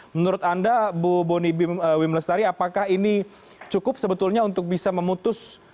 menurut anda ibu boni wim lestari apakah ini cukup sebetulnya untuk bisa memutus